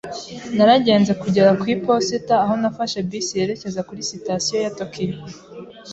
Naragenze kugera ku iposita, aho nafashe bisi yerekeza kuri Sitasiyo ya Tokiyo.